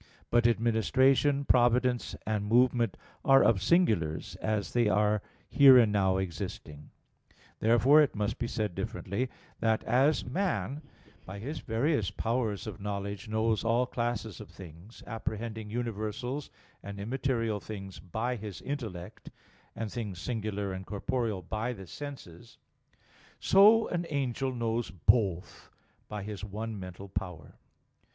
But administration, providence and movement are of singulars, as they are here and now existing. Therefore, it must be said differently, that, as man by his various powers of knowledge knows all classes of things, apprehending universals and immaterial things by his intellect, and things singular and corporeal by the senses, so an angel knows both by his one mental power.